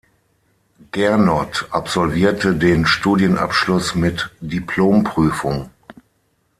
Gernot absolvierte den Studienabschluss mit Diplomprüfung.